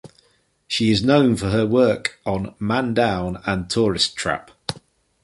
She is known for her work on "Man Down and Tourist Trap".